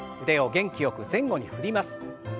腕を元気よく前後に振ります。